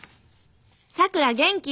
「さくら元気？